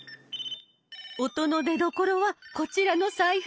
音の出どころはこちらの財布。